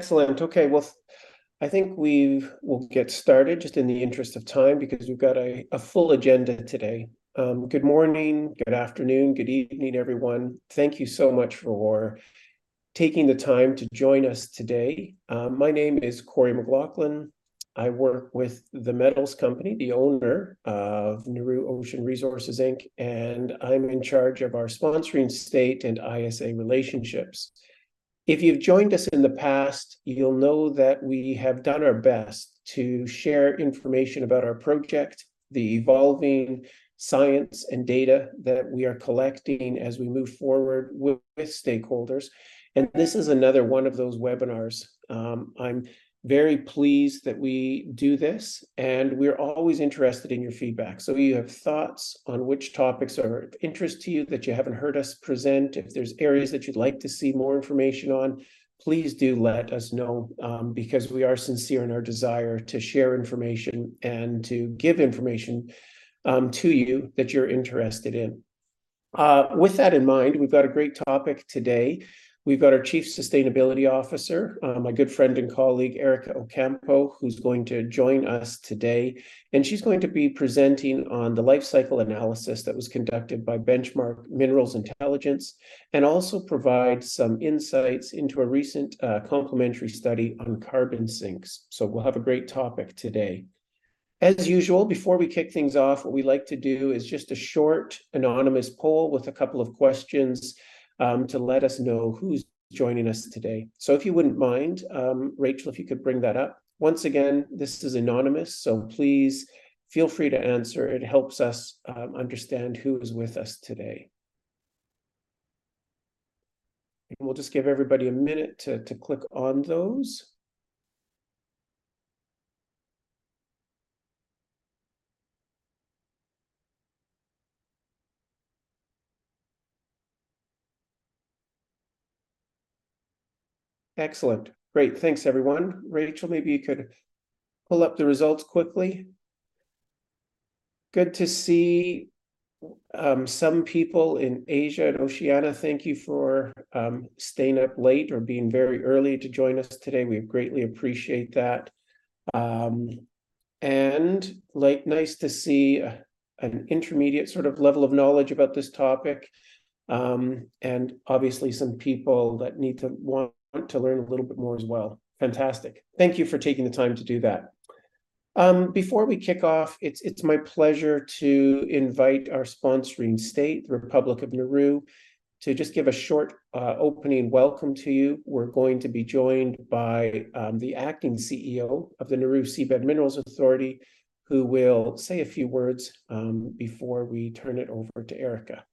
Excellent. Okay, well, I think we'll get started just in the interest of time, because we've got a full agenda today. Good morning, good afternoon, good evening, everyone. Thank you so much for taking the time to join us today. My name is Corey McLaughlin. I work with The Metals Company, the owner of Nauru Ocean Resources, Inc., and I'm in charge of our sponsoring state and ISA relationships. If you've joined us in the past, you'll know that we have done our best to share information about our project, the evolving science and data that we are collecting as we move forward with stakeholders, and this is another one of those webinars. I'm very pleased that we do this, and we're always interested in your feedback. So if you have thoughts on which topics are of interest to you that you haven't heard us present, if there's areas that you'd like to see more information on, please do let us know, because we are sincere in our desire to share information and to give information, to you that you're interested in. With that in mind, we've got a great topic today. We've got our Chief Sustainability Officer, my good friend and colleague, Erica Ocampo, who's going to join us today, and she's going to be presenting on the life cycle analysis that was conducted by Benchmark Mineral Intelligence, and also provide some insights into a recent, complementary study on carbon sinks. So we'll have a great topic today. As usual, before we kick things off, what we like to do is just a short, anonymous poll with a couple of questions, to let us know who's joining us today. So if you wouldn't mind, Rachel, if you could bring that up. Once again, this is anonymous, so please feel free to answer. It helps us, understand who is with us today. And we'll just give everybody a minute to click on those. Excellent. Great. Thanks, everyone. Rachel, maybe you could pull up the results quickly. Good to see, some people in Asia and Oceania. Thank you for, staying up late or being very early to join us today. We greatly appreciate that. Like, nice to see a, an intermediate sort of level of knowledge about this topic, and obviously some people that need to want to learn a little bit more as well. Fantastic. Thank you for taking the time to do that. Before we kick off, it's my pleasure to invite our sponsoring state, the Republic of Nauru, to just give a short opening welcome to you. We're going to be joined by the acting CEO of the Nauru Seabed Minerals Authority, who will say a few words before we turn it over to Erica.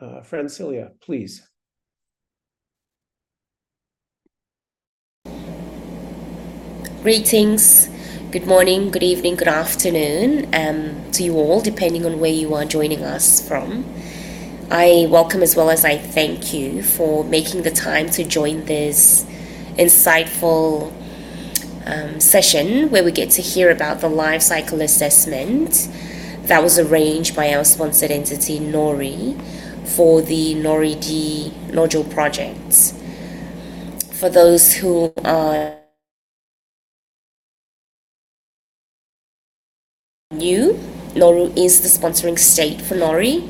Francilia, please. Greetings. Good morning, good evening, good afternoon, to you all, depending on where you are joining us from. I welcome as well as I thank you for making the time to join this insightful session, where we get to hear about the life cycle assessment that was arranged by our sponsored entity, NORI, for the NORI-D nodule projects. For those who are new, Nauru is the sponsoring state for NORI.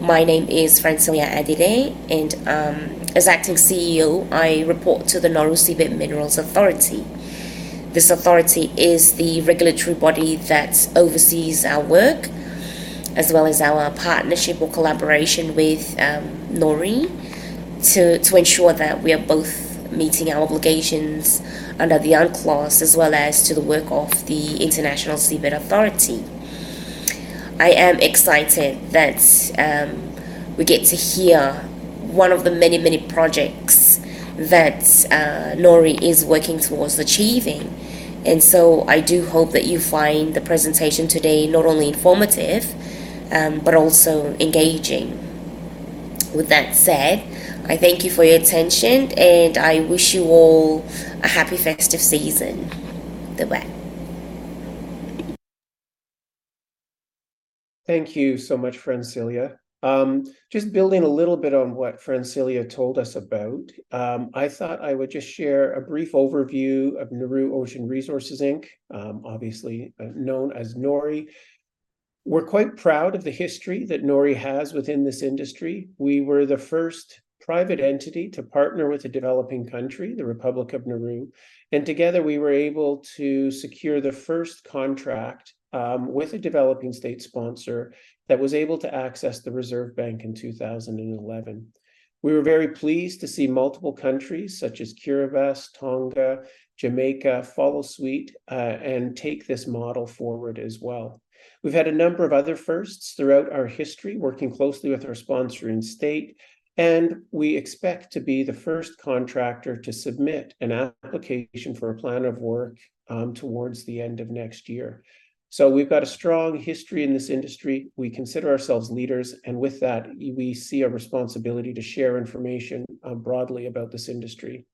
My name is Francilia Adide, and, as Acting CEO, I report to the Nauru Seabed Minerals Authority. This authority is the regulatory body that oversees our work, as well as our partnership or collaboration with NORI, to ensure that we are both meeting our obligations under the UNCLOS, as well as to the work of the International Seabed Authority. I am excited that we get to hear one of the many, many projects that NORI is working towards achieving, and so I do hope that you find the presentation today not only informative, but also engaging. With that said, I thank you for your attention, and I wish you all a happy festive season. Bye-bye. Thank you so much, Francilia. Just building a little bit on what Francilia told us about, I thought I would just share a brief overview of Nauru Ocean Resources Inc. Obviously, known as NORI. We're quite proud of the history that NORI has within this industry. We were the first private entity to partner with a developing country, the Republic of Nauru, and together, we were able to secure the first contract with a developing state sponsor that was able to access the Reserved Area in 2011. We were very pleased to see multiple countries, such as Kiribati, Tonga, Jamaica, follow suit and take this model forward as well. We've had a number of other firsts throughout our history, working closely with our sponsoring state, and we expect to be the first contractor to submit an application for a plan of work towards the end of next year. So we've got a strong history in this industry. We consider ourselves leaders, and with that, we see a responsibility to share information broadly about this industry.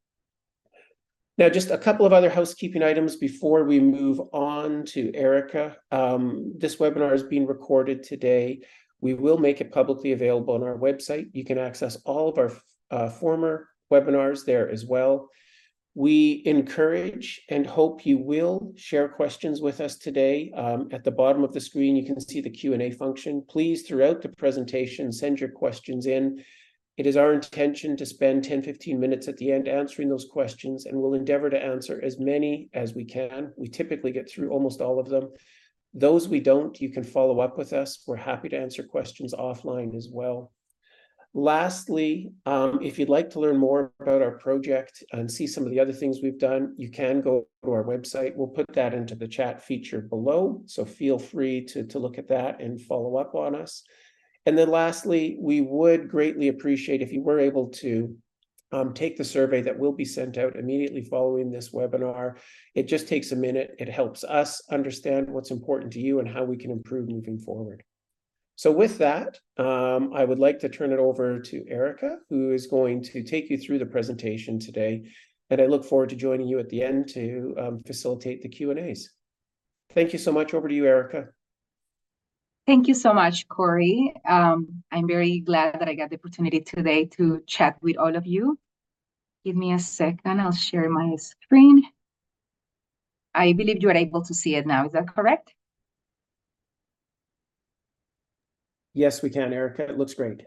Now, just a couple of other housekeeping items before we move on to Erica. This webinar is being recorded today. We will make it publicly available on our website. You can access all of our former webinars there as well. We encourage and hope you will share questions with us today. At the bottom of the screen, you can see the Q&A function. Please, throughout the presentation, send your questions in. It is our intention to spend 10, 15 minutes at the end answering those questions, and we'll endeavor to answer as many as we can. We typically get through almost all of them. Those we don't, you can follow up with us. We're happy to answer questions offline as well. Lastly, if you'd like to learn more about our project and see some of the other things we've done, you can go to our website. We'll put that into the chat feature below, so feel free to look at that and follow up on us. And then lastly, we would greatly appreciate if you were able to take the survey that will be sent out immediately following this webinar. It just takes a minute. It helps us understand what's important to you and how we can improve moving forward. With that, I would like to turn it over to Erica, who is going to take you through the presentation today, and I look forward to joining you at the end to facilitate the Q&A's. Thank you so much. Over to you, Erica. Thank you so much, Corey. I'm very glad that I got the opportunity today to chat with all of you. Give me a second, I'll share my screen. I believe you are able to see it now. Is that correct? Yes, we can, Erica. It looks great.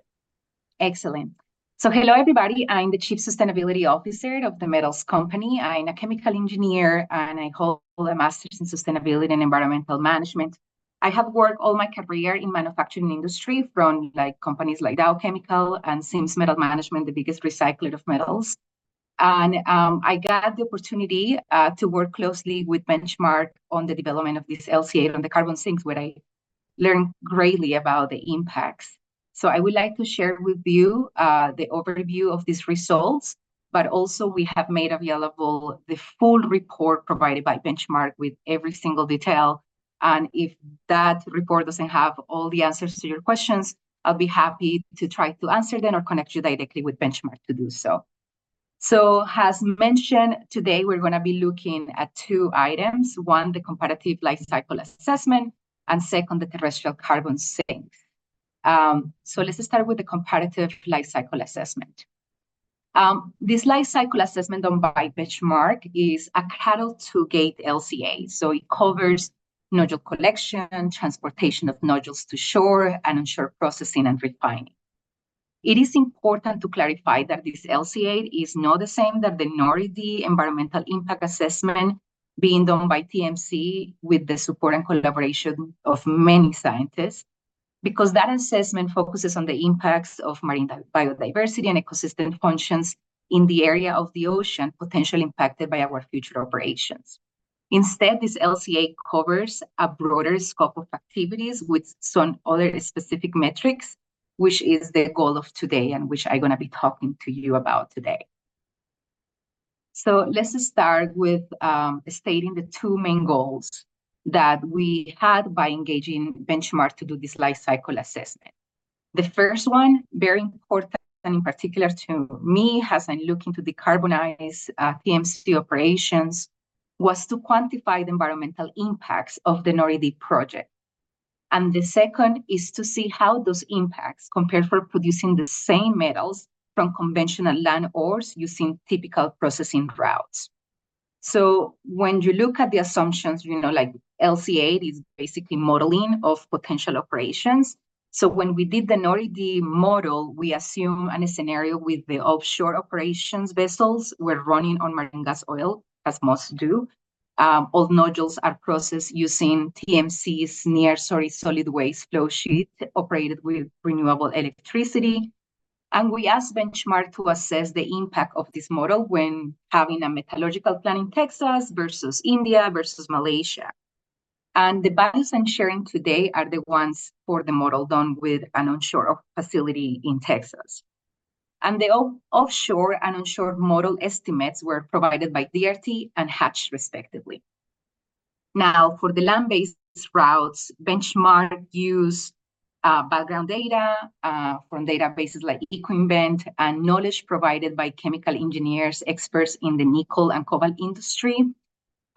Excellent. So hello, everybody. I'm the Chief Sustainability Officer of The Metals Company. I'm a chemical engineer, and I hold a master's in sustainability and environmental management. I have worked all my career in manufacturing industry, from, like, companies like Dow Chemical and Sims Metal Management, the biggest recycler of metals. And, I got the opportunity, to work closely with Benchmark on the development of this LCA and the carbon sinks, where I learned greatly about the impacts. So I would like to share with you, the overview of these results, but also, we have made available the full report provided by Benchmark with every single detail. And if that report doesn't have all the answers to your questions, I'll be happy to try to answer them or connect you directly with Benchmark to do so. So as mentioned, today we're gonna be looking at two items: one, the competitive life cycle assessment, and second, the terrestrial carbon sink. So let's start with the competitive life cycle assessment. This life cycle assessment done by Benchmark is a cradle-to-gate LCA, so it covers nodule collection, transportation of nodules to shore, and onshore processing and refining. It is important to clarify that this LCA is not the same as the NORI environmental impact assessment being done by TMC with the support and collaboration of many scientists, because that assessment focuses on the impacts of marine biodiversity and ecosystem functions in the area of the ocean potentially impacted by our future operations. Instead, this LCA covers a broader scope of activities with some other specific metrics, which is the goal of today, and which I'm gonna be talking to you about today. So let's start with stating the two main goals that we had by engaging Benchmark to do this life cycle assessment. The first one, very important, and in particular to me, as I look into decarbonize TMC operations, was to quantify the environmental impacts of the NORI-D project. And the second is to see how those impacts compare for producing the same metals from conventional land ores using typical processing routes. So when you look at the assumptions, you know, like LCA is basically modeling of potential operations. So when we did the NORI-D model, we assume in a scenario with the offshore operations vessels were running on marine gas oil, as most do. All nodules are processed using TMC's near-zero solid waste flow sheet, operated with renewable electricity. We asked Benchmark to assess the impact of this model when having a metallurgical plant in Texas versus India versus Malaysia. The values I'm sharing today are the ones for the model done with an onshore facility in Texas. The offshore and onshore model estimates were provided by DRT and Hatch, respectively. Now, for the land-based routes, Benchmark used background data from databases like Ecoinvent and knowledge provided by chemical engineers, experts in the nickel and cobalt industry.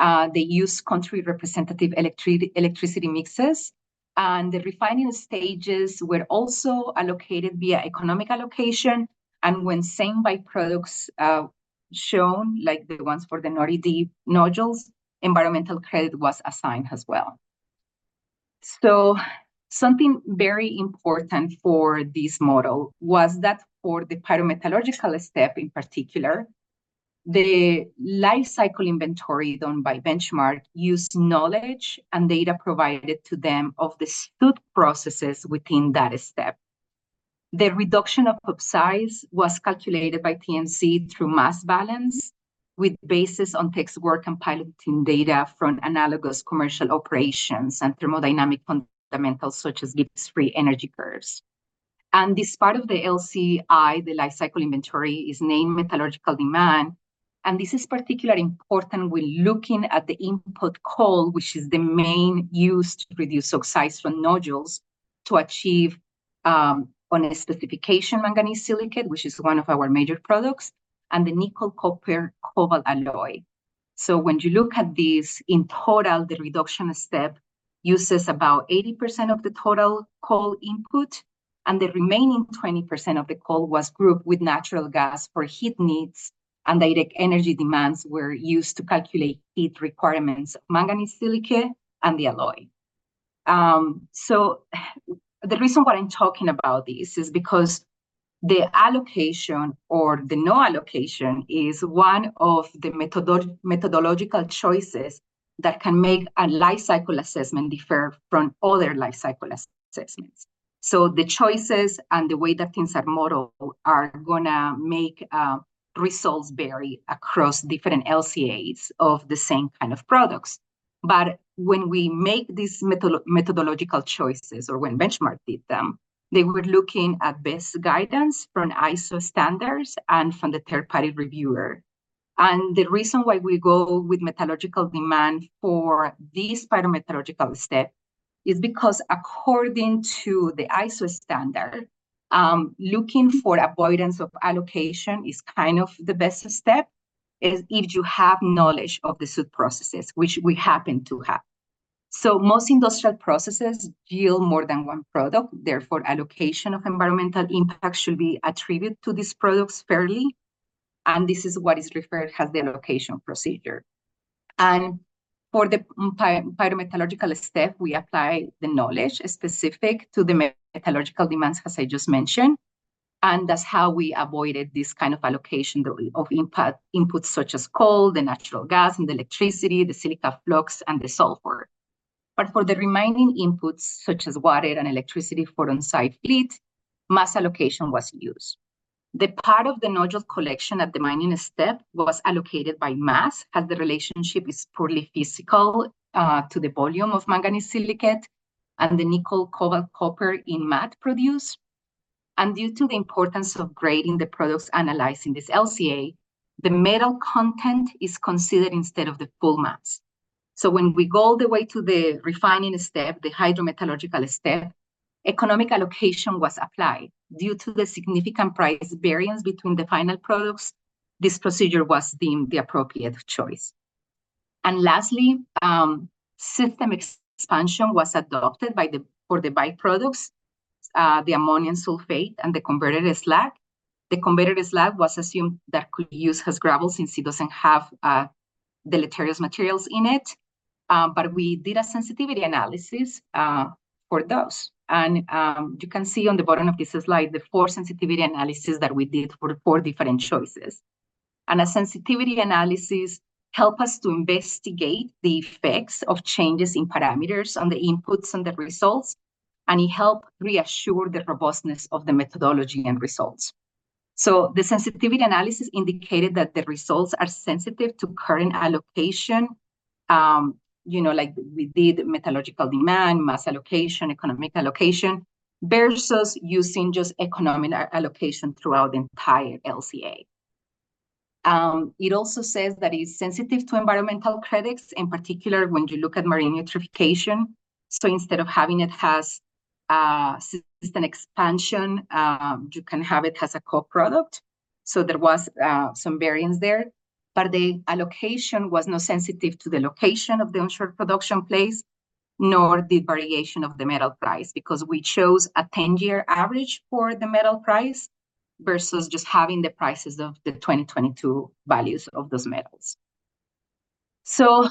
They used country representative electricity mixes, and the refining stages were also allocated via economic allocation. When same byproducts shown, like the ones for the NORI-D nodules, environmental credit was assigned as well. So something very important for this model was that for the pyrometallurgical step, in particular, the life cycle inventory done by Benchmark used knowledge and data provided to them of the sub processes within that step. The reduction of size was calculated by TMC through mass balance, with basis on test work and piloting data from analogous commercial operations and thermodynamic fundamentals, such as Gibbs free energy curves. This part of the LCI, the life cycle inventory, is named metallurgical demand, and this is particularly important when looking at the input coal, which is the main use to reduce oxides from nodules to achieve a specification manganese silicate, which is one of our major products, and the nickel copper cobalt alloy. So when you look at these, in total, the reduction step uses about 80% of the total coal input, and the remaining 20% of the coal was grouped with natural gas for heat needs, and the energy demands were used to calculate heat requirements, manganese silicate, and the alloy. So the reason why I'm talking about this is because the allocation or the no allocation is one of the methodological choices that can make a life cycle assessment differ from other life cycle assessments. So the choices and the way that things are modeled are gonna make results vary across different LCAs of the same kind of products. But when we make these methodological choices, or when Benchmark did them, they were looking at best guidance from ISO standards and from the third-party reviewer. The reason why we go with metallurgical demand for this pyrometallurgical step is because according to the ISO standard, looking for avoidance of allocation is kind of the best step, is if you have knowledge of the sub-processes, which we happen to have. So most industrial processes yield more than one product, therefore, allocation of environmental impact should be attributed to these products fairly, and this is what is referred as the allocation procedure. And for the pyrometallurgical step, we apply the knowledge specific to the metallurgical demands, as I just mentioned, and that's how we avoided this kind of allocation of impact inputs, such as coal, the natural gas, and the electricity, the silica flux, and the sulfur. But for the remaining inputs, such as water and electricity for on-site heat, mass allocation was used. The part of the nodule collection at the mining step was allocated by mass, as the relationship is purely physical, to the volume of manganese silicate and the nickel-copper-cobalt matte produced. Due to the importance of grading the products analyzed in this LCA, the metal content is considered instead of the full mass. When we go all the way to the refining step, the hydrometallurgical step, economic allocation was applied. Due to the significant price variance between the final products, this procedure was deemed the appropriate choice. Lastly, system expansion was adopted for the byproducts, the ammonium sulfate, and the converted slag. The converted slag was assumed that could be used as gravel since it doesn't have deleterious materials in it. But we did a sensitivity analysis for those. You can see on the bottom of this slide, the four sensitivity analysis that we did for the four different choices. A sensitivity analysis help us to investigate the effects of changes in parameters on the inputs and the results, and it help reassure the robustness of the methodology and results. So the sensitivity analysis indicated that the results are sensitive to current allocation. You know, like we did metallurgical demand, mass allocation, economic allocation, versus using just economic allocation throughout the entire LCA. It also says that it's sensitive to environmental credits, in particular, when you look at marine eutrophication. So instead of having it as system expansion, you can have it as a co-product. So there was some variance there, but the allocation was not sensitive to the location of the onshore production place, nor the variation of the metal price, because we chose a 10-year average for the metal price versus just having the prices of the 2022 values of those metals. For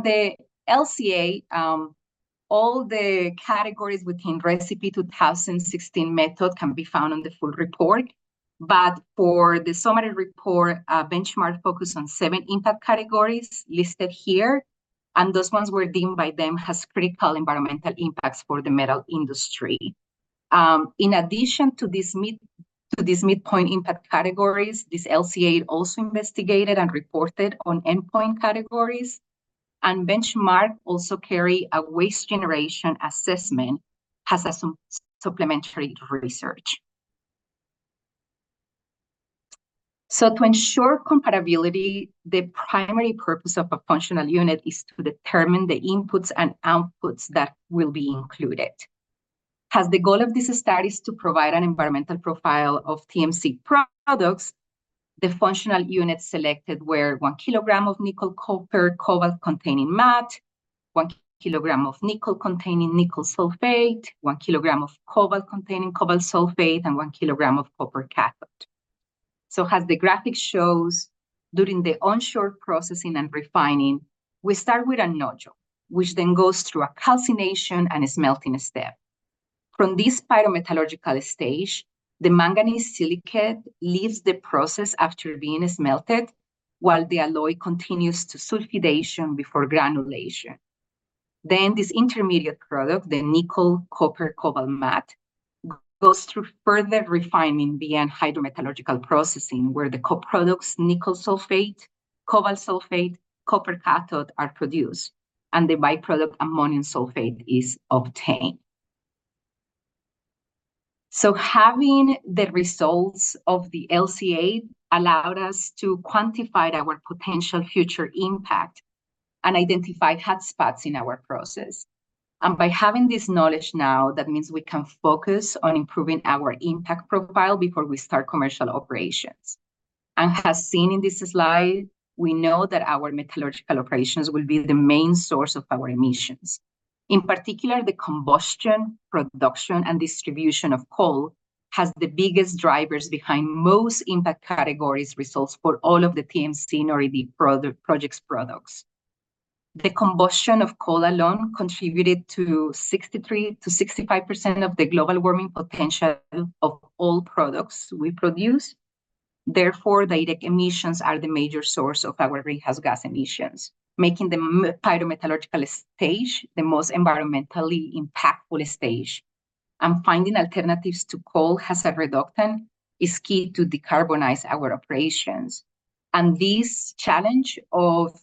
the LCA, all the categories within ReCiPe 2016 method can be found on the full report. But for the summary report, Benchmark focused on seven impact categories listed here, and those ones were deemed by them as critical environmental impacts for the metal industry. In addition to these midpoint impact categories, this LCA also investigated and reported on endpoint categories, and Benchmark also carried a waste generation assessment as a supplementary research. So to ensure compatibility, the primary purpose of a functional unit is to determine the inputs and outputs that will be included. As the goal of this study is to provide an environmental profile of TMC products, the functional units selected were one kilogram of nickel, copper, cobalt-containing matte, one kilogram of nickel-containing nickel sulfate, one kilogram of cobalt-containing cobalt sulfate, and one kilogram of copper cathode. So as the graphic shows, during the onshore processing and refining, we start with a nodule, which then goes through a calcination and a smelting step. From this pyrometallurgical stage, the manganese silicate leaves the process after being smelted, while the alloy continues to sulfidation before granulation. Then this intermediate product, the nickel copper cobalt matte, goes through further refining via hydrometallurgical processing, where the co-products, nickel sulfate, cobalt sulfate, copper cathode, are produced, and the by-product, ammonium sulfate, is obtained. Having the results of the LCA allowed us to quantify our potential future impact and identify hotspots in our process. By having this knowledge now, that means we can focus on improving our impact profile before we start commercial operations. As seen in this slide, we know that our metallurgical operations will be the main source of our emissions. In particular, the combustion, production, and distribution of coal has the biggest drivers behind most impact categories results for all of the TMC NORI-D project's products. The combustion of coal alone contributed to 63%-65% of the global warming potential of all products we produce. Therefore, the emissions are the major source of our greenhouse gas emissions, making the pyrometallurgical stage the most environmentally impactful stage. Finding alternatives to coal as a reductant is key to decarbonize our operations. This challenge of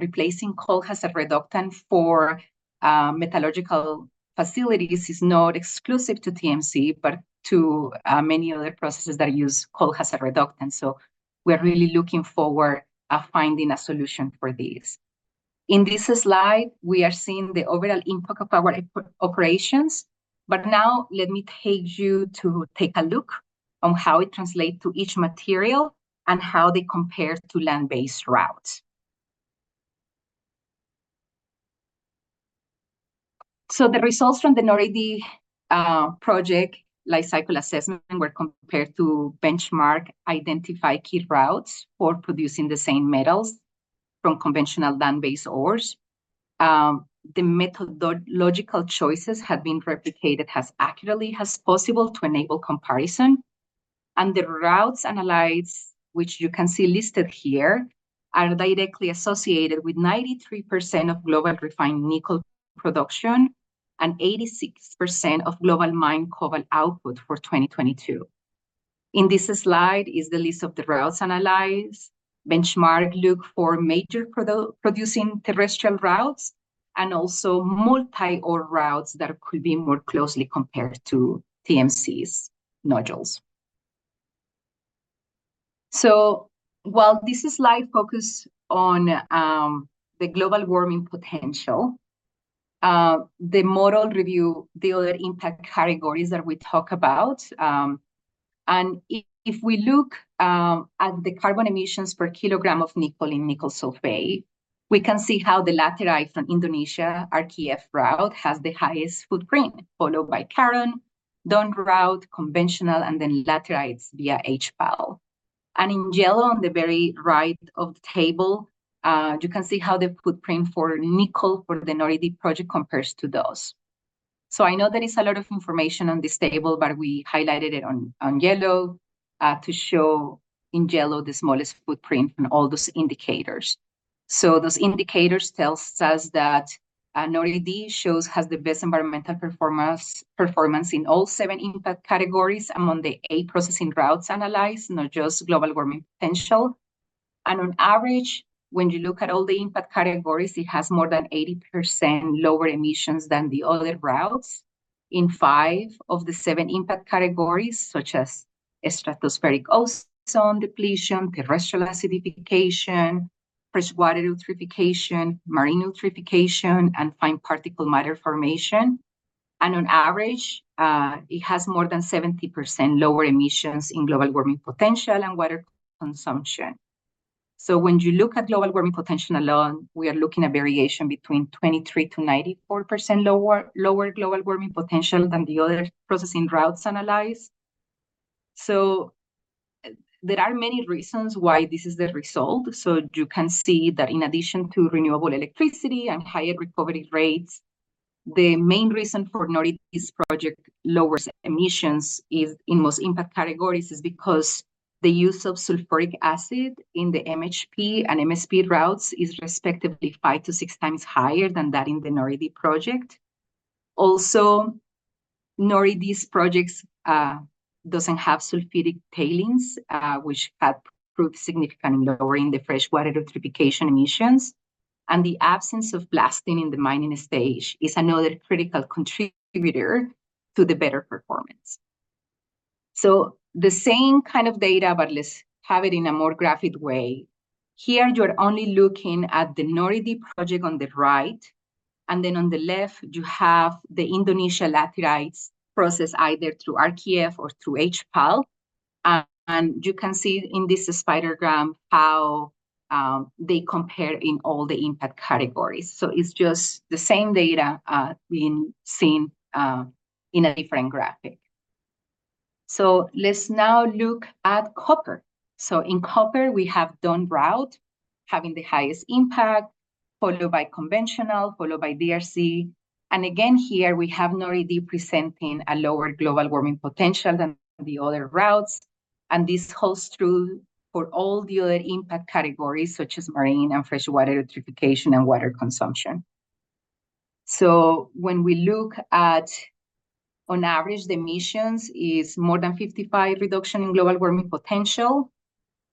replacing coal as a reductant for metallurgical facilities is not exclusive to TMC, but to many other processes that use coal as a reductant. We are really looking forward of finding a solution for this. In this slide, we are seeing the overall impact of our operations, but now let me take you to take a look on how it translate to each material and how they compare to land-based routes. The results from the NORI-D project life cycle assessment were compared to Benchmark, identify key routes for producing the same metals from conventional land-based ores. The methodological choices have been replicated as accurately as possible to enable comparison, and the routes analyzed, which you can see listed here, are directly associated with 93% of global refined nickel production and 86% of global mined cobalt output for 2022. In this slide is the list of the routes analyzed. Benchmark looked for major producing terrestrial routes and also multi-ore routes that could be more closely compared to TMC's nodules. So while this slide focuses on the global warming potential, the model reviewed the other impact categories that we talk about. And if we look at the carbon emissions per kilogram of nickel in nickel sulfate, we can see how the laterite from Indonesia, RKEF route, has the highest footprint, followed by Caron, Don route, conventional, and then laterites via HPAL. In yellow, on the very right of the table, you can see how the footprint for nickel for the NORI-D project compares to those. So I know that it's a lot of information on this table, but we highlighted it on yellow to show in yellow the smallest footprint in all those indicators. So those indicators tells us that NORI-D shows has the best environmental performance in all seven impact categories among the eight processing routes analyzed, not just global warming potential. And on average, when you look at all the impact categories, it has more than 80% lower emissions than the other routes in five of the seven impact categories, such as stratospheric ozone depletion, terrestrial acidification, freshwater eutrophication, marine eutrophication, and particulate matter formation. On average, it has more than 70% lower emissions in global warming potential and water consumption. So when you look at global warming potential alone, we are looking at variation between 23%-94% lower, lower global warming potential than the other processing routes analyzed. So, there are many reasons why this is the result. So you can see that in addition to renewable electricity and higher recovery rates, the main reason for NORI-D's project lower emissions is in most impact categories is because the use of sulfuric acid in the MHP and MSP routes is respectively 5-6 times higher than that in the NORI-D project. Also, NORI-D's projects doesn't have sulfidic tailings, which have proved significant in lowering the freshwater eutrophication emissions, and the absence of blasting in the mining stage is another critical contributor to the better performance. So the same kind of data, but let's have it in a more graphic way. Here, you're only looking at the NORI-D project on the right, and then on the left, you have the Indonesia laterites process, either through RKEF or through HPAL. And you can see in this spider gram how they compare in all the impact categories. So it's just the same data being seen in a different graphic. So let's now look at copper. So in copper, we have Don route having the highest impact, followed by conventional, followed by DRC. And again, here we have NORI-D presenting a lower global warming potential than the other routes, and this holds true for all the other impact categories, such as marine and freshwater eutrophication and water consumption. So when we look at, on average, the emissions is more than 55 reduction in global warming potential-...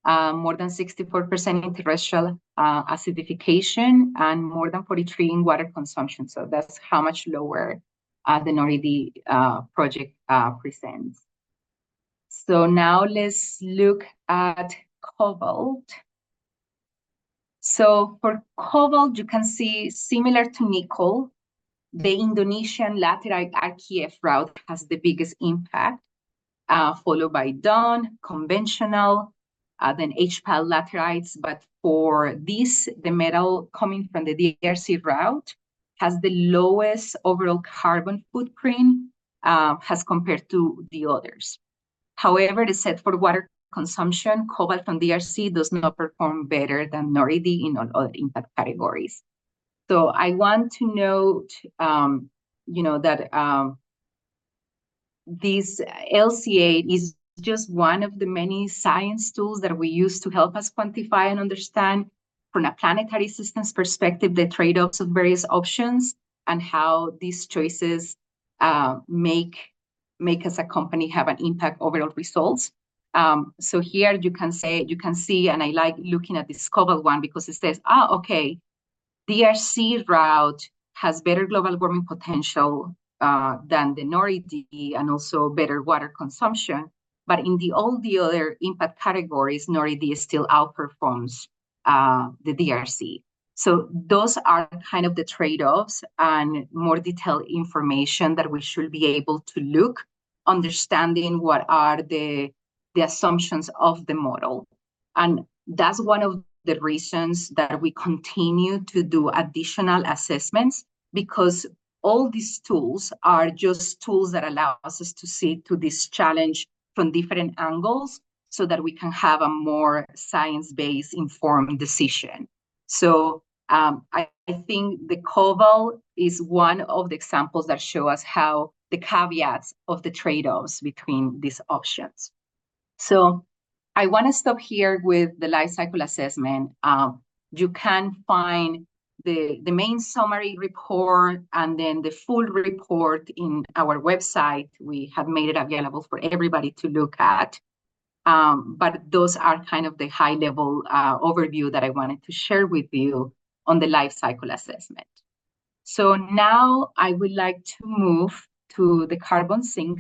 More than 64% in terrestrial acidification, and more than 43% in water consumption. So that's how much lower the NORI-D project presents. So now let's look at cobalt. So for cobalt, you can see, similar to nickel, the Indonesian laterite RKEF route has the biggest impact, followed by DRC conventional, then HPAL laterites. But for this, the metal coming from the DRC route has the lowest overall carbon footprint, as compared to the others. However, it is said for water consumption, cobalt from DRC does not perform better than NORI-D in all other impact categories. So I want to note, you know, that this LCA is just one of the many science tools that we use to help us quantify and understand from a planetary systems perspective, the trade-offs of various options, and how these choices make as a company have an impact overall results. So here you can say, you can see, and I like looking at this cobalt one, because it says, "Ah, okay, DRC route has better global warming potential than the NORI-D, and also better water consumption." But in all the other impact categories, NORI-D still outperforms the DRC. So those are kind of the trade-offs and more detailed information that we should be able to look, understanding what are the assumptions of the model. That's one of the reasons that we continue to do additional assessments, because all these tools are just tools that allow us to see through this challenge from different angles, so that we can have a more science-based, informed decision. So, I think the cobalt is one of the examples that show us how the caveats of the trade-offs between these options. So I wanna stop here with the life cycle assessment. You can find the main summary report and then the full report in our website. We have made it available for everybody to look at. But those are kind of the high level overview that I wanted to share with you on the life cycle assessment. So now I would like to move to the carbon sink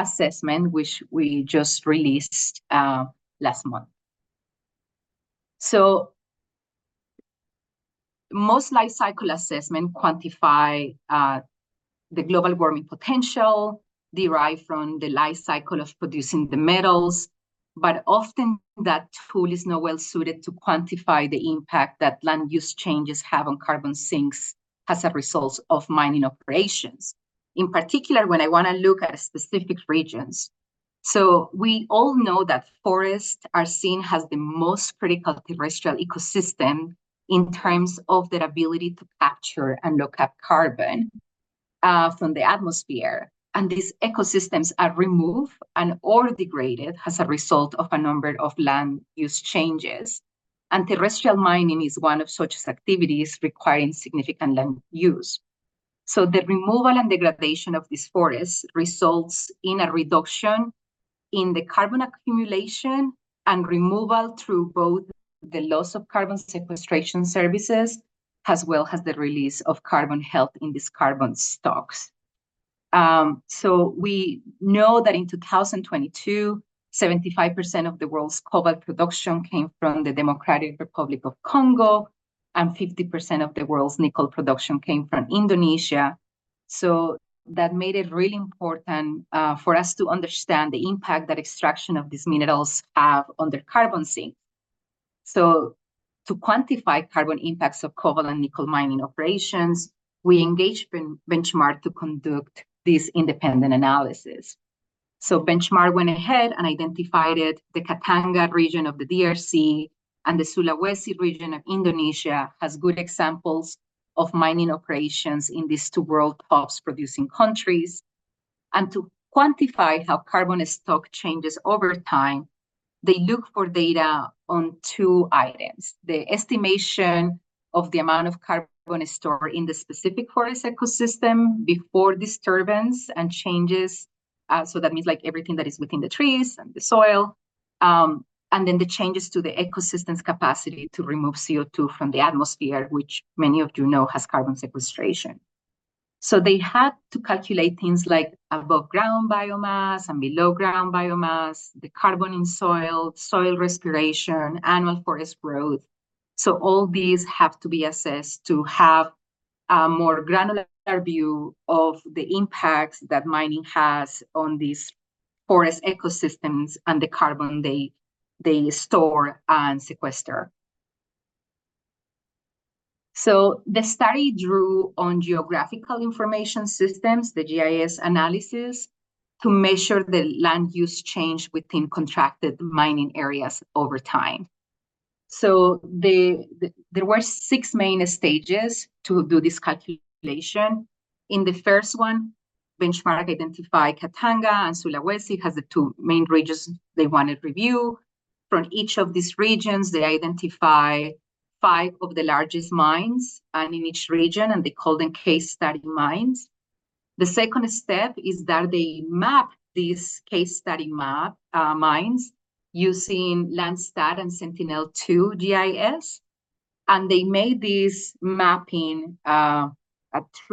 assessment, which we just released last month. Most life cycle assessment quantify the global warming potential derived from the life cycle of producing the metals, but often that tool is not well-suited to quantify the impact that land use changes have on carbon sinks as a result of mining operations, in particular, when I wanna look at specific regions. We all know that forests are seen as the most critical terrestrial ecosystem in terms of their ability to capture and lock up carbon from the atmosphere, and these ecosystems are removed and/or degraded as a result of a number of land use changes, and terrestrial mining is one of such activities requiring significant land use. The removal and degradation of this forest results in a reduction in the carbon accumulation and removal through both the loss of carbon sequestration services, as well as the release of carbon held in these carbon stocks. We know that in 2022, 75% of the world's cobalt production came from the Democratic Republic of Congo, and 50% of the world's nickel production came from Indonesia. That made it really important for us to understand the impact that extraction of these minerals have on the carbon sink. To quantify carbon impacts of cobalt and nickel mining operations, we engaged Benchmark to conduct this independent analysis. Benchmark went ahead and identified it, the Katanga region of the DRC and the Sulawesi region of Indonesia, as good examples of mining operations in these two world's top producing countries. To quantify how carbon stock changes over time, they look for data on two items: the estimation of the amount of carbon stored in the specific forest ecosystem before disturbance and changes, so that means, like, everything that is within the trees and the soil, and then the changes to the ecosystem's capacity to remove CO2 from the atmosphere, which many of you know, has carbon sequestration. They had to calculate things like above-ground biomass and below-ground biomass, the carbon in soil, soil respiration, annual forest growth. All these have to be assessed to have a more granular view of the impacts that mining has on these forest ecosystems and the carbon they store and sequester. The study drew on geographic information systems, the GIS analysis, to measure the land use change within contracted mining areas over time. So there were six main stages to do this calculation. In the first one, Benchmark identified Katanga and Sulawesi as the two main regions they wanted review. From each of these regions, they identify five of the largest mines, and in each region, and they called them case study mines. The second step is that they map these case study mines using Landsat and Sentinel-2 GIS, and they made this mapping at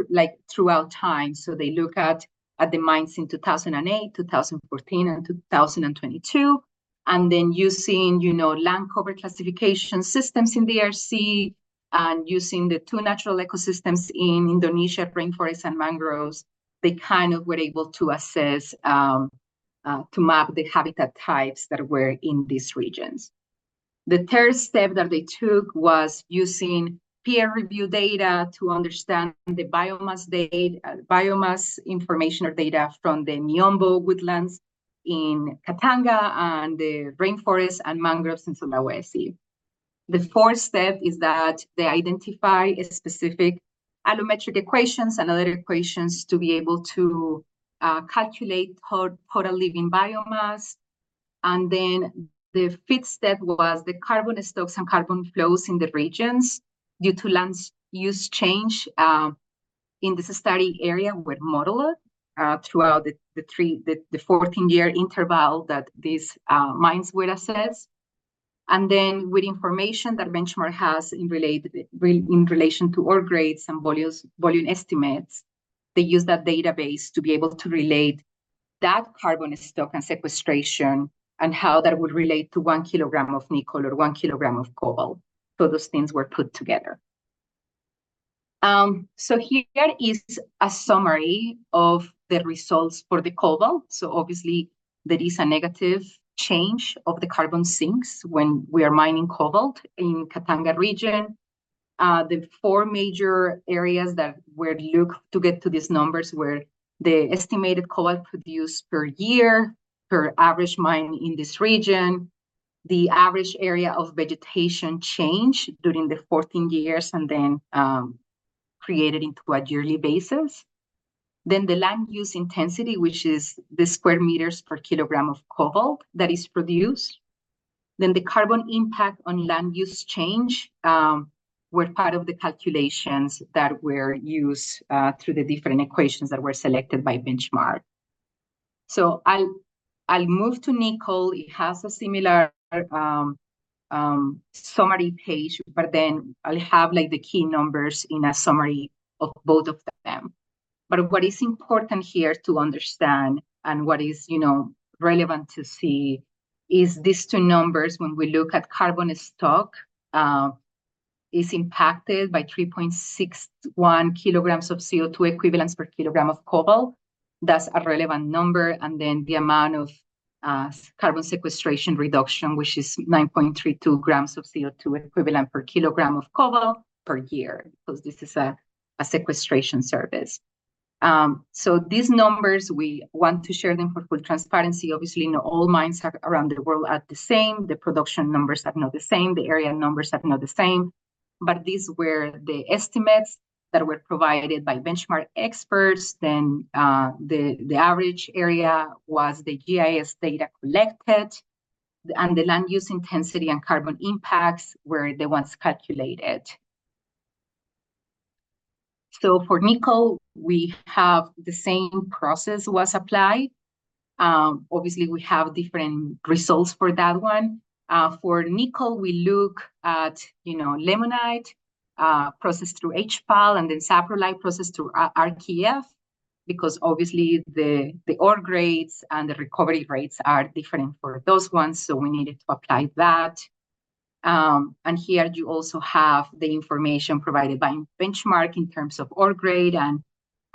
like throughout time. So they look at the mines in 2008, 2014, and 2022. And then using, you know, land cover classification systems in DRC, and using the two natural ecosystems in Indonesia, rainforest and mangroves, they kind of were able to assess to map the habitat types that were in these regions. The third step that they took was using peer review data to understand the biomass data, biomass information or data from the Miombo woodlands in Katanga, and the rainforest and mangroves in Sulawesi. The fourth step is that they identify a specific allometric equations and other equations to be able to calculate total living biomass. And then the fifth step was the carbon stocks and carbon flows in the regions due to land use change in the study area with modeler throughout the 14-year interval that these mines were assessed. And then with information that Benchmark has in relation to ore grades and volumes, volume estimates, they use that database to be able to relate that carbon stock and sequestration, and how that would relate to one kilogram of nickel or one kilogram of cobalt. So those things were put together. So here is a summary of the results for the cobalt. So obviously, there is a negative change of the carbon sinks when we are mining cobalt in Katanga region. The four major areas that were looked to get to these numbers were the estimated cobalt produced per year, per average mine in this region, the average area of vegetation change during the 14 years, and then, created into a yearly basis. Then the land use intensity, which is the square meters per kilogram of cobalt that is produced. Then the carbon impact on land use change were part of the calculations that were used through the different equations that were selected by Benchmark. So I'll, I'll move to nickel. It has a similar summary page, but then I'll have, like, the key numbers in a summary of both of them. But what is important here to understand and what is, you know, relevant to see, is these two numbers, when we look at carbon stock is impacted by 3.61 kilograms of CO2 equivalents per kilogram of cobalt. That's a relevant number, and then the amount of carbon sequestration reduction, which is 9.32 grams of CO2 equivalent per kilogram of cobalt per year, because this is a sequestration service. So these numbers, we want to share them with full transparency. Obviously, not all mines around the world are the same. The production numbers are not the same, the area numbers are not the same. But these were the estimates that were provided by Benchmark experts. Then, the average area was the GIS data collected, and the land use intensity and carbon impacts were the ones calculated. So for nickel, we have the same process was applied. Obviously, we have different results for that one. For nickel, we look at, you know, limonite, processed through HPAL, and then saprolite processed through RKEF, because obviously the ore grades and the recovery rates are different for those ones, so we needed to apply that. And here you also have the information provided by Benchmark in terms of ore grade and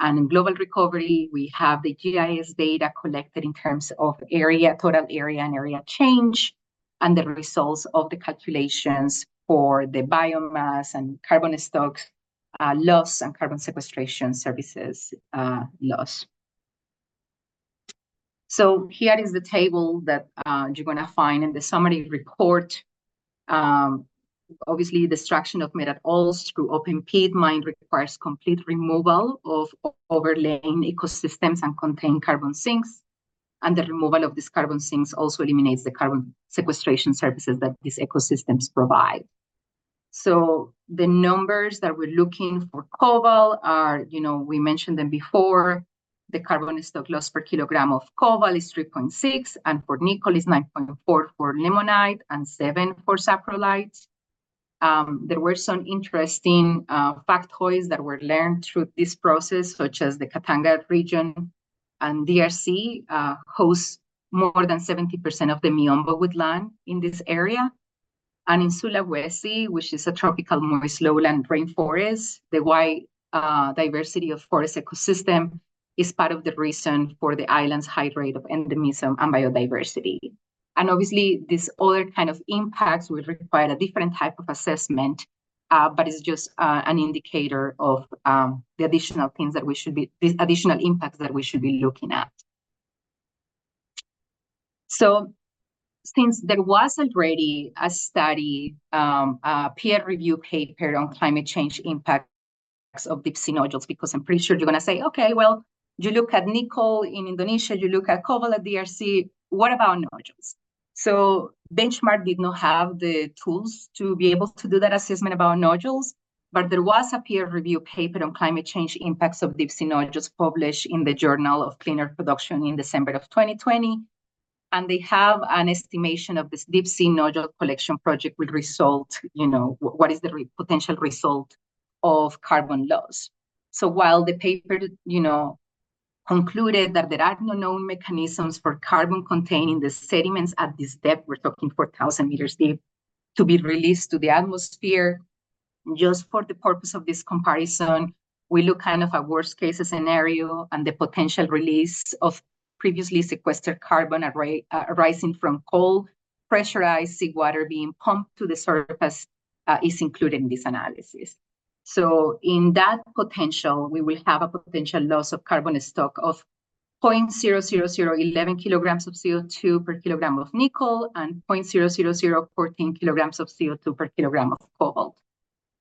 in global recovery. We have the GIS data collected in terms of area, total area and area change, and the results of the calculations for the biomass and carbon stock, loss and carbon sequestration services, loss. So here is the table that you're gonna find in the summary report. Obviously, destruction of mineral ore through open pit mine requires complete removal of overlying ecosystems and contained carbon sinks, and the removal of these carbon sinks also eliminates the carbon sequestration services that these ecosystems provide. So the numbers that we're looking for cobalt are, you know, we mentioned them before. The carbon stock loss per kilogram of cobalt is 3.6, and for nickel, it's 9.4 for limonite and 7 for saprolite. There were some interesting factoids that were learned through this process, such as the Katanga region and DRC hosts more than 70% of the Miombo woodland in this area. In Sulawesi, which is a tropical moist lowland rainforest, the wide, diversity of forest ecosystem is part of the reason for the island's high rate of endemism and biodiversity. Obviously, these other kind of impacts would require a different type of assessment, but it's just, an indicator of, the additional impacts that we should be looking at. Since there was already a study, a peer review paper on climate change impact of deep-sea nodules, because I'm pretty sure you're gonna say, "Okay, well, you look at nickel in Indonesia, you look at cobalt, DRC, what about nodules?"... So Benchmark did not have the tools to be able to do that assessment about nodules, but there was a peer review paper on climate change impacts of deep-sea nodules published in the Journal of Cleaner Production in December of 2020, and they have an estimation of this deep-sea nodule collection project will result, you know, what is the potential result of carbon loss? So while the paper, you know, concluded that there are no known mechanisms for carbon contained in the sediments at this depth, we're talking 4,000 meters deep, to be released to the atmosphere, just for the purpose of this comparison, we look kind of a worst-case scenario and the potential release of previously sequestered carbon arising from cold, pressurized seawater being pumped to the surface is included in this analysis. So in that potential, we will have a potential loss of carbon stock of 0.00011 kilograms of CO2 per kilogram of nickel and 0.00014 kilograms of CO2 per kilogram of cobalt.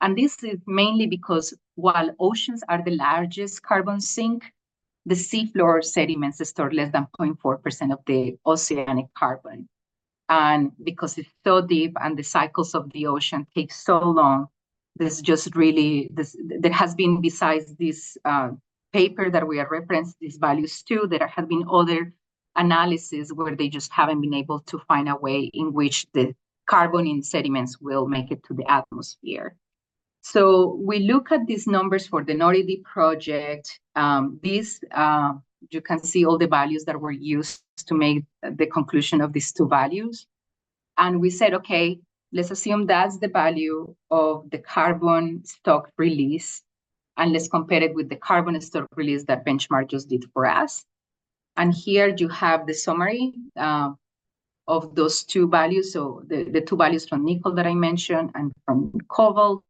And this is mainly because while oceans are the largest carbon sink, the seafloor sediments store less than 0.4% of the oceanic carbon. And because it's so deep and the cycles of the ocean take so long, this just really there has been, besides this, paper that we have referenced these values to, there have been other analyses where they just haven't been able to find a way in which the carbon in sediments will make it to the atmosphere. So we look at these numbers for the NORI-D project. This, you can see all the values that were used to make the conclusion of these two values. We said, "Okay, let's assume that's the value of the carbon stock release, and let's compare it with the carbon stock release that Benchmark just did for us." Here you have the summary of those two values, so the two values from nickel that I mentioned and from cobalt,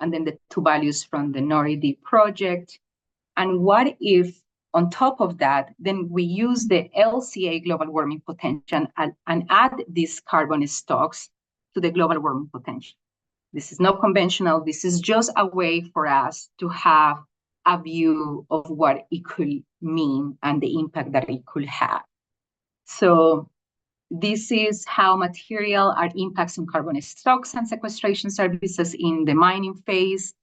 and then the two values from the NORI-D project. What if, on top of that, then we use the LCA global warming potential and add these carbon stocks to the global warming potential? This is not conventional. This is just a way for us to have a view of what it could mean and the impact that it could have. So this is how materials impact carbon stocks and sequestration services in the mining phase,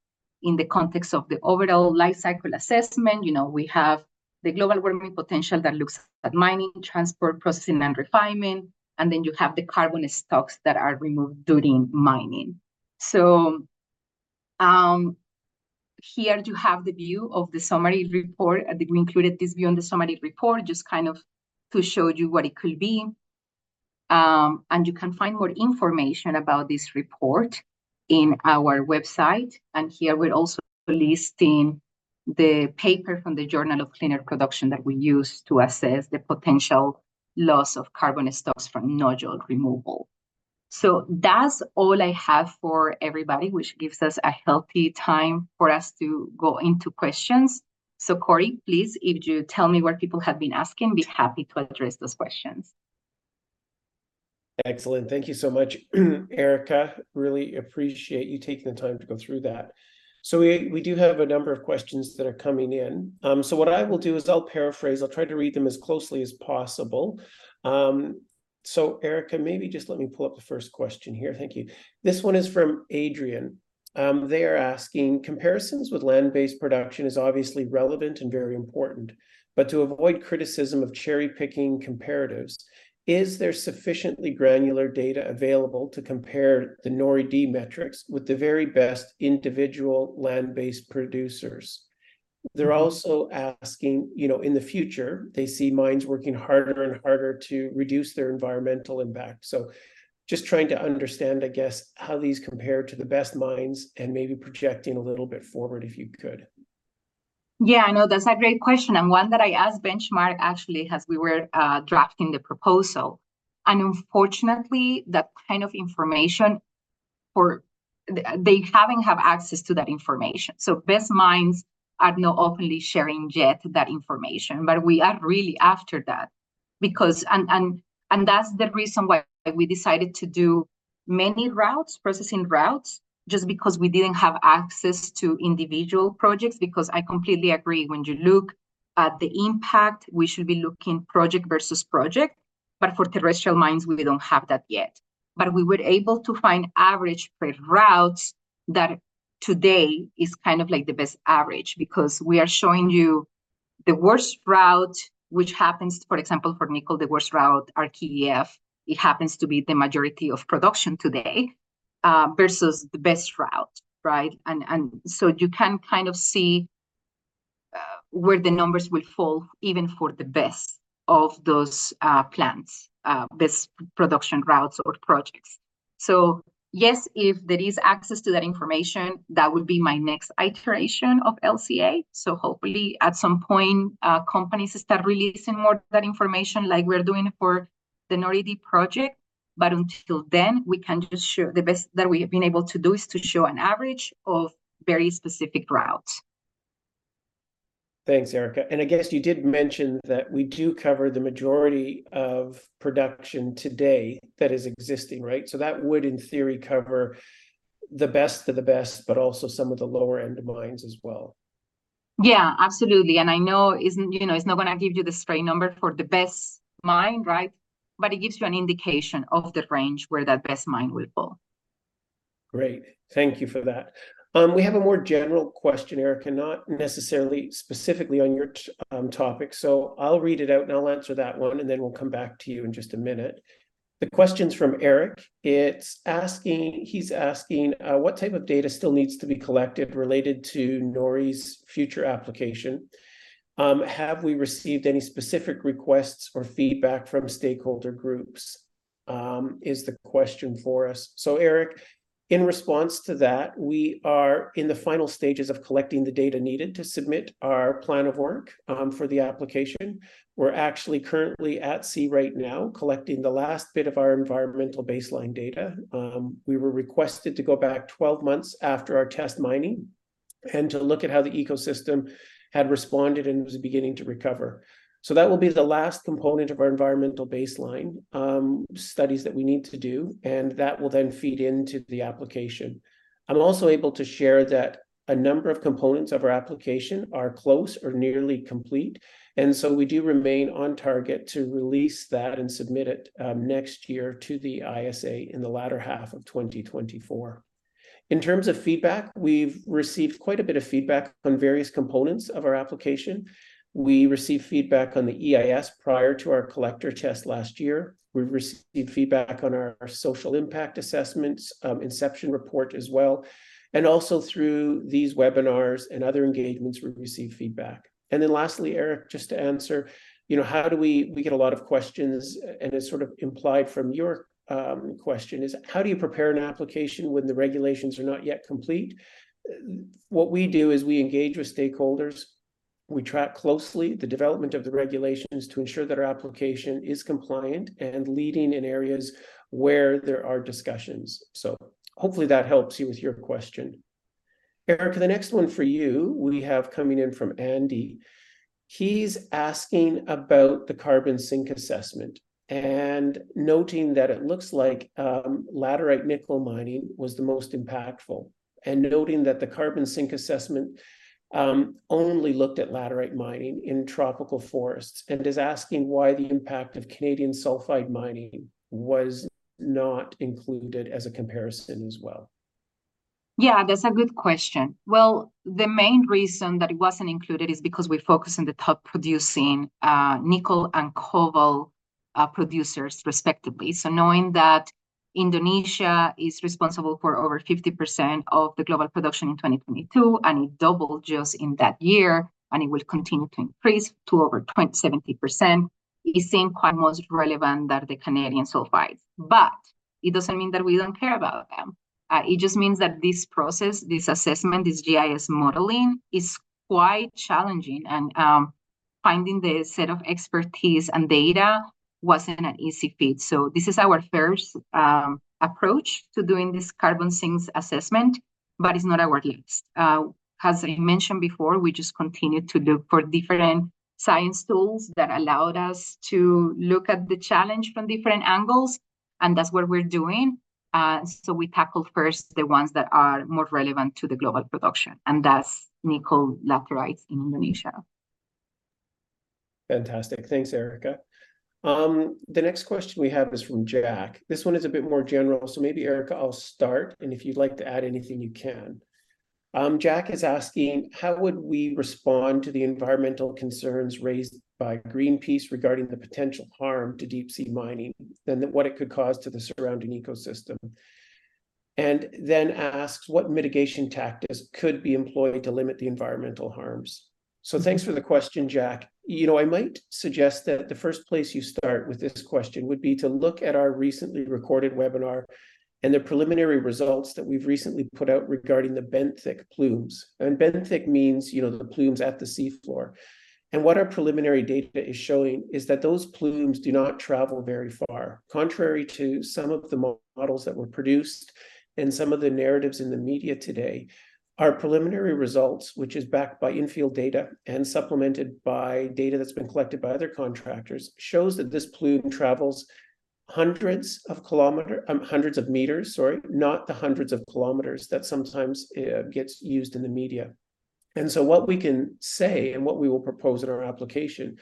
in the context of the overall life cycle assessment. You know, we have the global warming potential that looks at mining, transport, processing, and refinement, and then you have the carbon stocks that are removed during mining. So, here you have the view of the summary report, and we included this view on the summary report just kind of to show you what it could be. And you can find more information about this report in our website, and here we're also listing the paper from the Journal of Cleaner Production that we used to assess the potential loss of carbon stocks from nodule removal. So that's all I have for everybody, which gives us a healthy time for us to go into questions. So, Cory, please, if you tell me what people have been asking, be happy to address those questions. Excellent. Thank you so much, Erica. Really appreciate you taking the time to go through that. So we, we do have a number of questions that are coming in. So what I will do is I'll paraphrase. I'll try to read them as closely as possible. So Erica, maybe just let me pull up the first question here. Thank you. This one is from Adrian. They are asking: "Comparisons with land-based production is obviously relevant and very important, but to avoid criticism of cherry-picking comparatives, is there sufficiently granular data available to compare the NORI-D metrics with the very best individual land-based producers?" They're also asking, you know, in the future, they see mines working harder and harder to reduce their environmental impact. Just trying to understand, I guess, how these compare to the best mines, and maybe projecting a little bit forward, if you could. Yeah, I know. That's a great question, and one that I asked Benchmark, actually, as we were drafting the proposal, and unfortunately, that kind of information for... They haven't have access to that information. So best mines are not openly sharing yet that information, but we are really after that, because, and, and, and that's the reason why we decided to do many routes, processing routes, just because we didn't have access to individual projects, because I completely agree, when you look at the impact, we should be looking project versus project, but for terrestrial mines, we don't have that yet. But we were able to find average trade routes that today is kind of like the best average, because we are showing you the worst route, which happens, for example, for nickel, the worst route, RKEF, it happens to be the majority of production today, versus the best route, right? And, and so you can kind of see, where the numbers will fall, even for the best of those, plants, best production routes or projects. So yes, if there is access to that information, that would be my next iteration of LCA. So hopefully, at some point, companies start releasing more of that information like we're doing for the NORI-D project, but until then, we can just show... The best that we have been able to do is to show an average of very specific routes. Thanks, Erica. And I guess you did mention that we do cover the majority of production today that is existing, right? So that would, in theory, cover the best of the best, but also some of the lower-end mines as well.... Yeah, absolutely. And I know it's, you know, it's not gonna give you the straight number for the best mine, right? But it gives you an indication of the range where that best mine will fall. Great. Thank you for that. We have a more general question, Erica, not necessarily specifically on your topic, so I'll read it out, and I'll answer that one, and then we'll come back to you in just a minute. The question's from Eric. It's asking, he's asking, "What type of data still needs to be collected related to NORI's future application? Have we received any specific requests or feedback from stakeholder groups?" Is the question for us. So Eric, in response to that, we are in the final stages of collecting the data needed to submit our plan of work for the application. We're actually currently at sea right now, collecting the last bit of our environmental baseline data. We were requested to go back 12 months after our test mining and to look at how the ecosystem had responded and was beginning to recover. That will be the last component of our environmental baseline studies that we need to do, and that will then feed into the application. I'm also able to share that a number of components of our application are close or nearly complete, and we do remain on target to release that and submit it next year to the ISA in the latter half of 2024. In terms of feedback, we've received quite a bit of feedback on various components of our application. We received feedback on the EIS prior to our collector test last year. We've received feedback on our social impact assessments inception report as well, and also through these webinars and other engagements, we've received feedback. Then lastly, Erica, just to answer, you know, how do we... We get a lot of questions, and it's sort of implied from your question, is, "How do you prepare an application when the regulations are not yet complete?" What we do is we engage with stakeholders. We track closely the development of the regulations to ensure that our application is compliant and leading in areas where there are discussions. So hopefully that helps you with your question. Erica, the next one for you, we have coming in from Andy. He's asking about the carbon sink assessment and noting that it looks like laterite nickel mining was the most impactful, and noting that the carbon sink assessment only looked at laterite mining in tropical forests, and is asking why the impact of Canadian sulfide mining was not included as a comparison as well. Yeah, that's a good question. Well, the main reason that it wasn't included is because we focused on the top-producing, nickel and cobalt, producers respectively. So knowing that Indonesia is responsible for over 50% of the global production in 2022, and it doubled just in that year, and it will continue to increase to over 70%, it seemed quite most relevant than the Canadian sulfides. But it doesn't mean that we don't care about them. It just means that this process, this assessment, this GIS modeling, is quite challenging, and, finding the set of expertise and data wasn't an easy feat. So this is our first, approach to doing this carbon sinks assessment, but it's not our last. As I mentioned before, we just continued to look for different science tools that allowed us to look at the challenge from different angles, and that's what we're doing. So we tackled first the ones that are more relevant to the global production, and that's nickel laterites in Indonesia. Fantastic. Thanks, Erica. The next question we have is from Jack. This one is a bit more general, so maybe, Erica, I'll start, and if you'd like to add anything, you can. Jack is asking: "How would we respond to the environmental concerns raised by Greenpeace regarding the potential harm to deep-sea mining and the, what it could cause to the surrounding ecosystem?" And then asks, "What mitigation tactics could be employed to limit the environmental harms?" So thanks for the question, Jack. You know, I might suggest that the first place you start with this question would be to look at our recently recorded webinar and the preliminary results that we've recently put out regarding the benthic plumes. And benthic means, you know, the plumes at the sea floor. And what our preliminary data is showing is that those plumes do not travel very far. Contrary to some of the models that were produced and some of the narratives in the media today, our preliminary results, which is backed by in-field data and supplemented by data that's been collected by other contractors, shows that this plume travels hundreds of kilometers, hundreds of meters, sorry, not the hundreds of kilometers that sometimes gets used in the media. And so what we can say, and what we will propose in our application,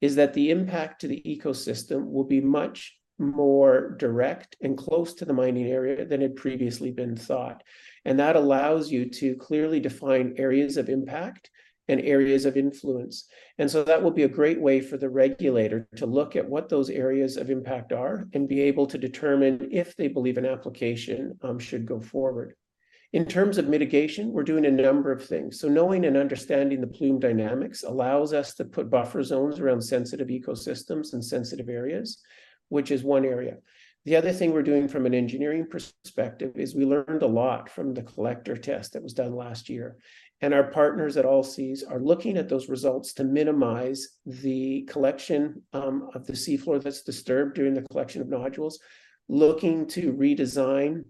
is that the impact to the ecosystem will be much more direct and close to the mining area than had previously been thought, and that allows you to clearly define areas of impact and areas of influence. And so that will be a great way for the regulator to look at what those areas of impact are and be able to determine if they believe an application should go forward. In terms of mitigation, we're doing a number of things. So knowing and understanding the plume dynamics allows us to put buffer zones around sensitive ecosystems and sensitive areas, which is one area. The other thing we're doing from an engineering perspective is we learned a lot from the collector test that was done last year, and our partners at Allseas are looking at those results to minimize the collection of the sea floor that's disturbed during the collection of nodules, looking to redesign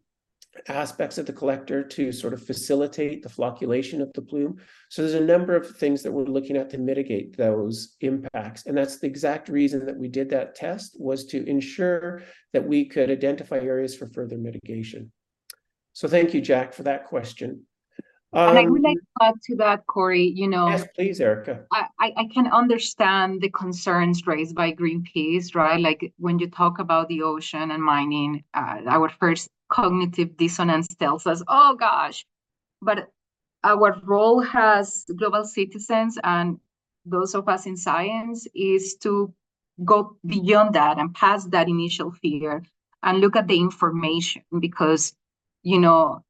aspects of the collector to sort of facilitate the flocculation of the plume. So there's a number of things that we're looking at to mitigate those impacts, and that's the exact reason that we did that test, was to ensure that we could identify areas for further mitigation. So thank you, Jack, for that question. I would like to add to that, Corey, you know- Yes, please, Erica. I can understand the concerns raised by Greenpeace, right? Like, when you talk about the ocean and mining, our first cognitive dissonance tells us, "Oh, gosh!" But our role as global citizens, and those of us in science, is to go beyond that and past that initial fear and look at the information. Because, you know,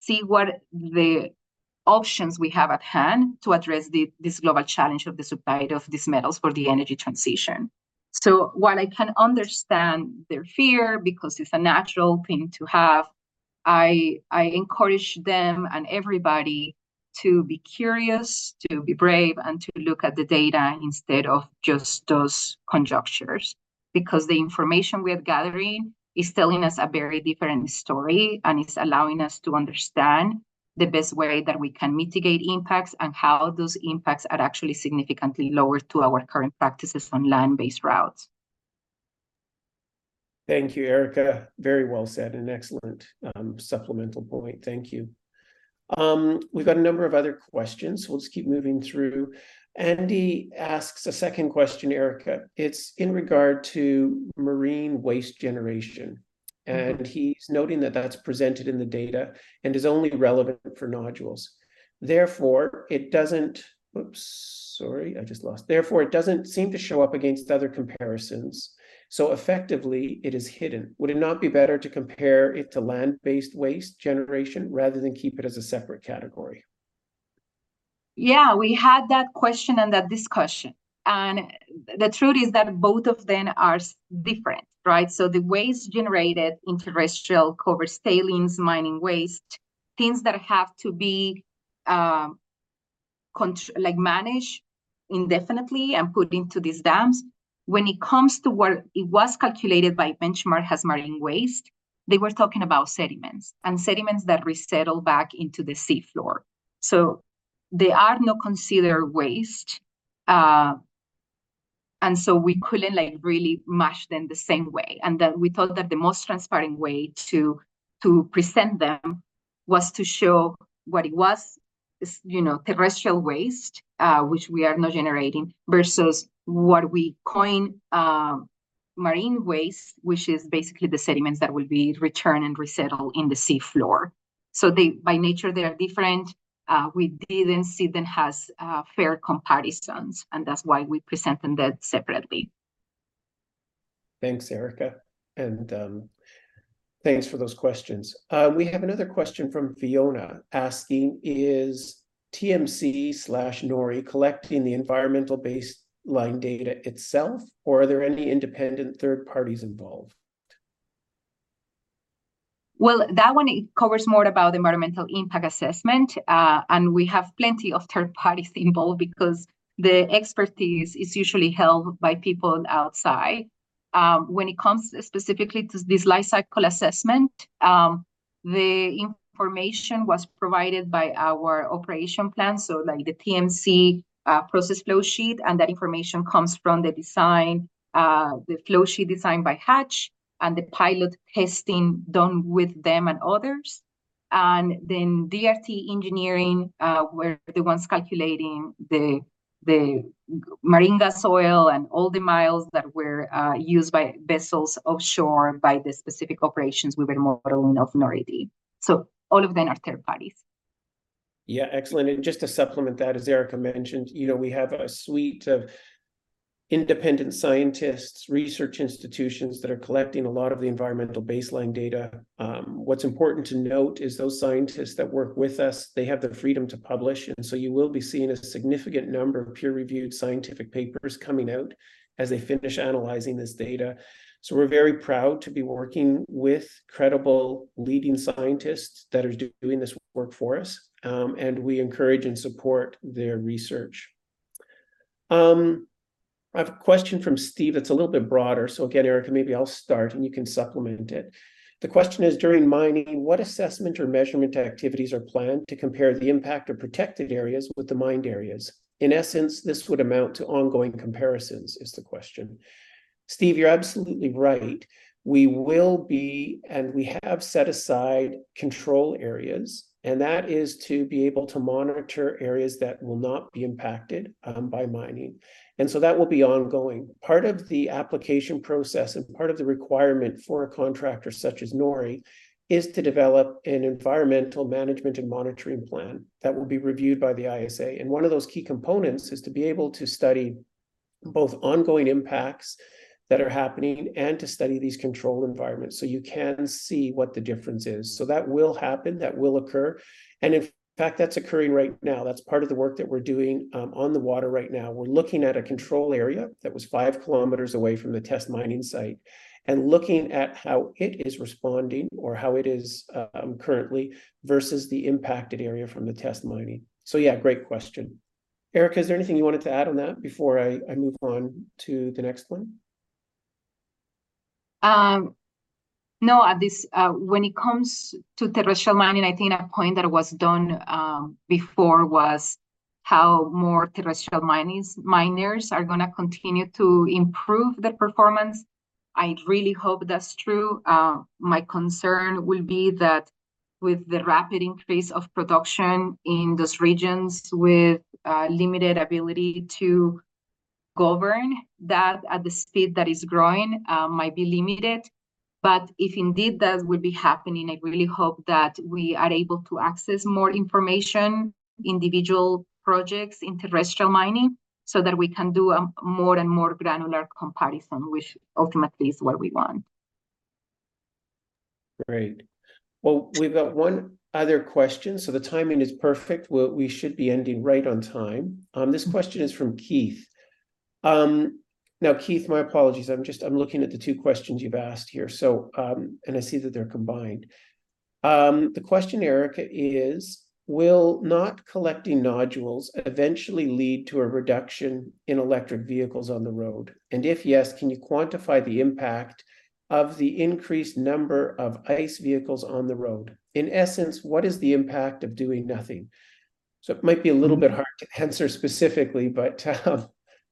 see what the options we have at hand to address the, this global challenge of the supply of these metals for the energy transition. So while I can understand their fear, because it's a natural thing to have, I encourage them and everybody to be curious, to be brave, and to look at the data instead of just those conjectures. Because the information we are gathering is telling us a very different story, and it's allowing us to understand the best way that we can mitigate impacts and how those impacts are actually significantly lower to our current practices on land-based routes. Thank you, Erica. Very well said, and excellent, supplemental point. Thank you. We've got a number of other questions, so we'll just keep moving through. Andy asks a second question, Erica. It's in regard to marine waste generation, and he's noting that that's presented in the data and is only relevant for nodules. Therefore, it doesn't seem to show up against other comparisons, so effectively it is hidden. Would it not be better to compare it to land-based waste generation rather than keep it as a separate category? Yeah, we had that question and that discussion, and the truth is that both of them are different, right? So the waste generated in terrestrial cover, tailings, mining waste, things that have to be contained, like, managed indefinitely and put into these dams. When it comes to what it was calculated by Benchmark as marine waste, they were talking about sediments, and sediments that resettle back into the sea floor. So they are not considered waste, and so we couldn't, like, really mash them the same way. And that we thought that the most transparent way to present them was to show what it was, this, you know, terrestrial waste, which we are not generating, versus what we coin marine waste, which is basically the sediments that will be returned and resettle in the sea floor. So they, by nature, they are different. We didn't see them as fair comparisons, and that's why we present them that separately. Thanks, Erica, and thanks for those questions. We have another question from Fiona asking, "Is TMC/NORI collecting the environmental baseline data itself, or are there any independent third parties involved? Well, that one, it covers more about the environmental impact assessment. And we have plenty of third parties involved, because the expertise is usually held by people outside. When it comes specifically to this life cycle assessment, the information was provided by our operation plan, so like the TMC, process flow sheet, and that information comes from the design, the flow sheet designed by Hatch and the pilot testing done with them and others. And then DRT Engineering were the ones calculating the, the marine soil and all the miles that were used by vessels offshore by the specific operations we were modeling of NORI-D. So all of them are third parties. Yeah, excellent. And just to supplement that, as Erica mentioned, you know, we have a suite of independent scientists, research institutions that are collecting a lot of the environmental baseline data. What's important to note is those scientists that work with us, they have the freedom to publish, and so you will be seeing a significant number of peer-reviewed scientific papers coming out as they finish analyzing this data. So we're very proud to be working with credible, leading scientists that are doing this work for us, and we encourage and support their research. I have a question from Steve that's a little bit broader, so again, Erica, maybe I'll start and you can supplement it. The question is: "During mining, what assessment or measurement activities are planned to compare the impact of protected areas with the mined areas? “In essence, this would amount to ongoing comparisons,” is the question. Steve, you're absolutely right. We will be, and we have, set aside control areas, and that is to be able to monitor areas that will not be impacted by mining. So that will be ongoing. Part of the application process and part of the requirement for a contractor such as NORI is to develop an environmental management and monitoring plan that will be reviewed by the ISA. One of those key components is to be able to study both ongoing impacts that are happening and to study these control environments so you can see what the difference is. So that will happen, that will occur, and in fact, that's occurring right now. That's part of the work that we're doing on the water right now. We're looking at a control area that was 5 km away from the test mining site, and looking at how it is responding or how it is currently, versus the impacted area from the test mining. So yeah, great question. Erica, is there anything you wanted to add on that before I move on to the next one? No, when it comes to terrestrial mining, I think a point that was done before was how more terrestrial minings, miners are going to continue to improve their performance. I really hope that's true. My concern will be that with the rapid increase of production in those regions with limited ability to govern, that at the speed that it's growing might be limited. But if indeed that would be happening, I really hope that we are able to access more information, individual projects in terrestrial mining, so that we can do a more and more granular comparison, which ultimately is what we want. Great. Well, we've got one other question, so the timing is perfect. We should be ending right on time. This question is from Keith. Now, Keith, my apologies, I'm looking at the two questions you've asked here. So, and I see that they're combined. The question, Erica, is, "Will not collecting nodules eventually lead to a reduction in electric vehicles on the road? And if yes, can you quantify the impact of the increased number of ICE vehicles on the road? In essence, what is the impact of doing nothing?" So it might be a little bit hard to answer specifically,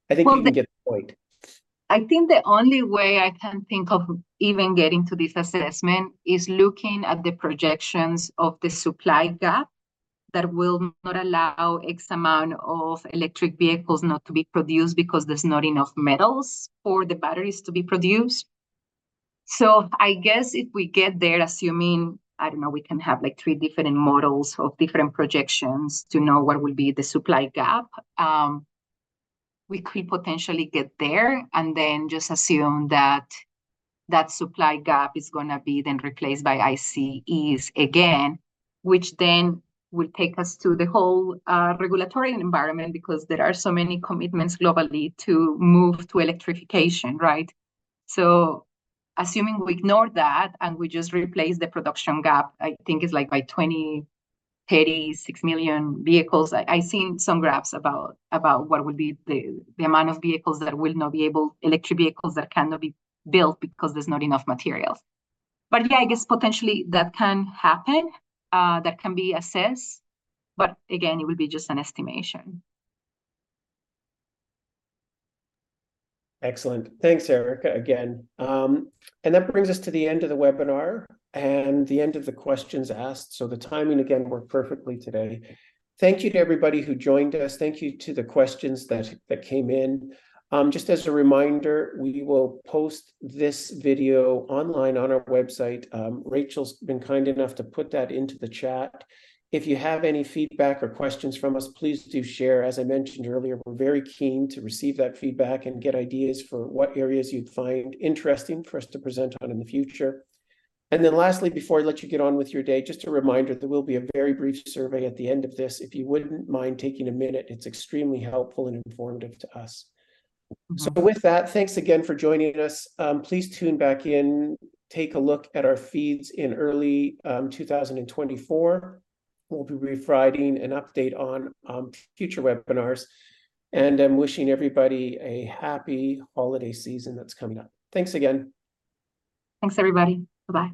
but I think we can get the point. I think the only way I can think of even getting to this assessment is looking at the projections of the supply gap that will not allow X amount of electric vehicles not to be produced because there's not enough metals for the batteries to be produced. So I guess if we get there, assuming, I don't know, we can have, like, three different models of different projections to know what will be the supply gap, we could potentially get there, and then just assume that that supply gap is going to be then replaced by ICEs again, which then will take us to the whole, regulatory environment, because there are so many commitments globally to move to electrification, right? So assuming we ignore that and we just replace the production gap, I think it's, like, by 20-36 million vehicles. I've seen some graphs about what would be the amount of vehicles that will not be able electric vehicles that cannot be built because there's not enough materials. But yeah, I guess potentially that can happen, that can be assessed, but again, it would be just an estimation. Excellent. Thanks, Erica, again. And that brings us to the end of the webinar and the end of the questions asked, so the timing again worked perfectly today. Thank you to everybody who joined us. Thank you to the questions that came in. Just as a reminder, we will post this video online on our website. Rachel's been kind enough to put that into the chat. If you have any feedback or questions from us, please do share. As I mentioned earlier, we're very keen to receive that feedback and get ideas for what areas you'd find interesting for us to present on in the future. And then lastly, before I let you get on with your day, just a reminder, there will be a very brief survey at the end of this, if you wouldn't mind taking a minute. It's extremely helpful and informative to us. So with that, thanks again for joining us. Please tune back in. Take a look at our feeds in early 2024. We'll be providing an update on future webinars, and I'm wishing everybody a happy holiday season that's coming up. Thanks again. Thanks, everybody. Bye-bye.